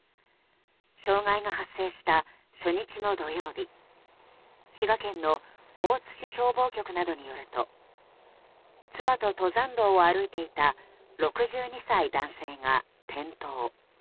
障害が発生した初日の土曜日滋賀県の大津市消防局などによると妻と登山道を歩いていた６２歳男性が転倒。